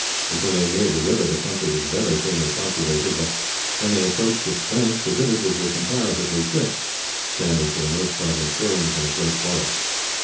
Until they neared the river the country was very thinly populated but, when they approached its banks, the villages were comparatively thick, standing for the most part in clearings in a great forest.